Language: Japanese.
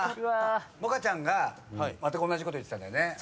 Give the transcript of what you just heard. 萌歌ちゃんがまったく同じこと言ってたんだよね。